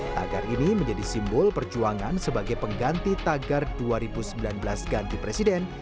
tagar ini menjadi simbol perjuangan sebagai pengganti tagar dua ribu sembilan belas ganti presiden